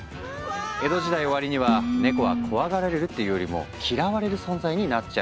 江戸時代終わりにはネコは怖がられるっていうよりも嫌われる存在になっちゃうんだ。